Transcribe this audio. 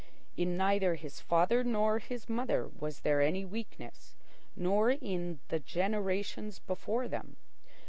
In neither his father nor his mother was there any weakness, nor in the generations before them.